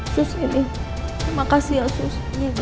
sus ini terima kasih ya sus